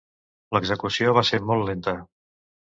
L'execució va ser molt lenta.